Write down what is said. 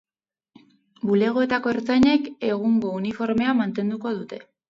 Bulegoetako ertzainek egungo uniformea mantenduko dute.